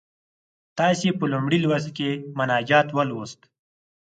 تاسې په لومړي لوست کې مناجات ولوست.